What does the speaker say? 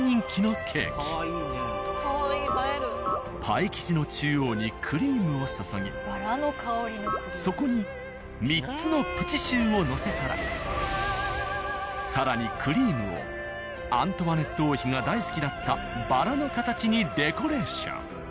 パイ生地の中央にクリームを注ぎそこに３つのプチシューを載せたら更にクリームをアントワネット王妃が大好きだったバラの形にデコレーション。